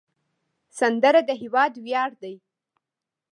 سندره د هیواد ویاړ دی